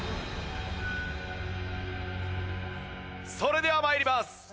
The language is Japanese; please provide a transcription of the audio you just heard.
それでは参ります。